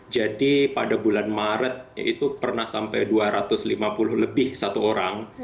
jadi pada bulan maret itu pernah sampai dua ratus lima puluh lebih satu orang